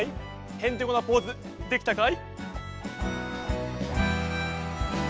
ヘンテコなポーズできたかい？